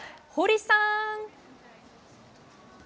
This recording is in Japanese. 堀さん！